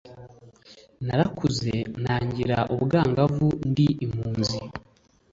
“narakuze ntangira ubwangavu ndi impunzi